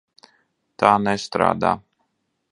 Tā nestrādā.